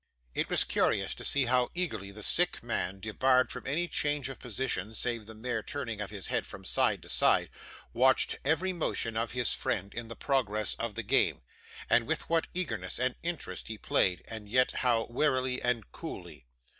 It was curious to see how eagerly the sick man, debarred from any change of position save the mere turning of his head from side to side, watched every motion of his friend in the progress of the game; and with what eagerness and interest he played, and yet how warily and coolly.